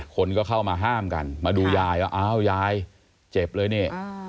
คนก็เข้ามาห้ามกันมาดูยายว่าอ้าวยายเจ็บเลยนี่